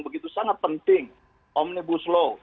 begitu sangat penting omnibus law